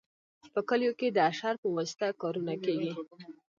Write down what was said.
په کلیو کې د اشر په واسطه کارونه کیږي.